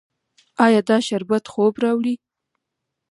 ایا دا شربت خوب راوړي؟